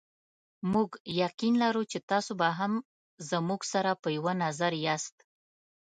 موږ یقین لرو چې تاسې به هم زموږ سره په یوه نظر یاست.